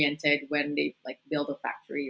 ketika mereka membangun sebuah pabrik